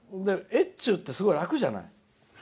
越中って、すごい楽じゃない。